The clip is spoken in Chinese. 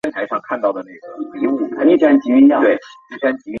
巴比亦是首位登上时代杂志封面的印度演员。